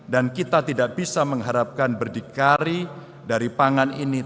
dan kita tidak bisa mengharapkan berdikari dari pangan ini